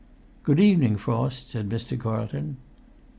"Good evening, Frost," said Mr. Carlton.